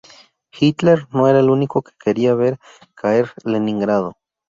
Hitler no era el único que quería ver caer Leningrado.